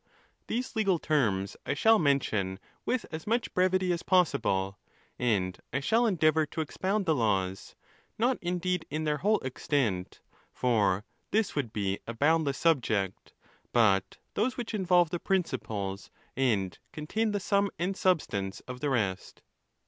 These legal terms, I shall mention with as much brevity as possible ; and I shall endeavour to expound the: laws, not. indeed in their whole extent, for this would be a boundless subject, but those which involve the principles, and contain the sum and substance of the rest.